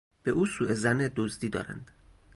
به او سوظن دزدی دارند.